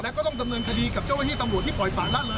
แล้วก็ต้องการดำเนินคดีกับเจ้าโบราณที่ตำรวจที่ปล่อยปากล้าเผลอ